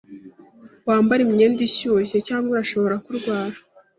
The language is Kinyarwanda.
Wambare imyenda ishyushye cyangwa urashobora kurwara.